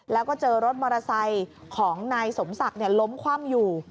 แล้วก็เจอรถมอเตอร์ไซค์ของนายสมศักดิ์ล้มคว่ำอยู่